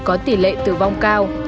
có tỷ lệ tử vong cao